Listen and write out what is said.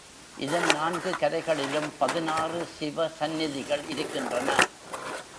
இதன் நான்கு கரைகளிலும் பதினாறு சிவ சந்நிதிகள் இருக்கின்றன.